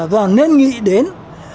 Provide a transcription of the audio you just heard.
và nên nghĩ đến bảy năm tám